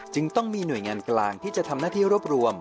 จึงต้องมีหน่วยงานกลางที่จะทำหน้าที่รวบรวม